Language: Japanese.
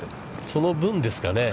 その分ですかね。